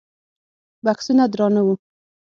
بکسونه درانه وو.